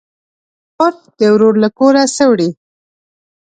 خور ده ورور له کوره سه وړي